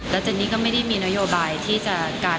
เจนนี่ก็ไม่ได้มีนโยบายที่จะการ